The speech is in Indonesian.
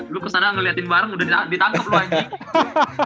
lu kesana ngeliatin bareng udah ditangkep lu anjing